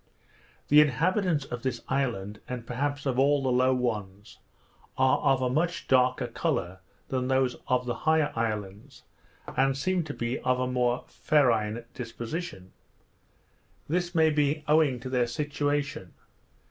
The inhabitants of this island, and perhaps of all the low ones, are of a much darker colour than those of the higher islands, and seem to be of a more ferine disposition. This may be owing to their situation.